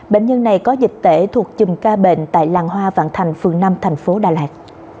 bệnh nhân này có dịch tễ thuộc chùm ca bệnh tại làng hoa vạn thành phường năm thành phố đà lạt